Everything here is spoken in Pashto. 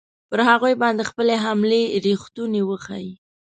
پر هغوی باندې خپلې حملې ریښتوني وښیي.